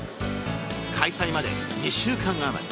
開催まで２週間あまり。